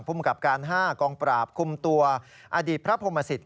ผู้บังคับการ๕กองปราบคุมตัวอดีตพระภมศิษย์